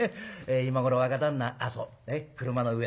今頃若旦那あっそう車の上だ。